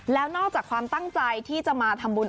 แล้วนอกจากความตั้งใจที่จะมาทำบุญ